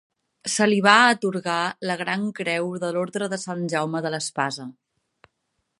Se li va atorgar la gran creu de l'Orde de Sant Jaume de l'Espasa.